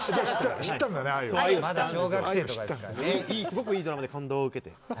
すごくいいドラマで感動を受けて。